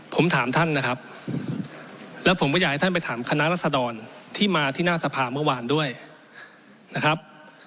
ผมถามท่านนะครับแล้วผมก็อยากให้ท่านไปถามคณะรัศดรที่มาที่หน้าสภาเมื่อวานด้วยนะครับ